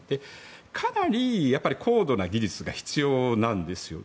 かなり高度な技術が必要なんですよ。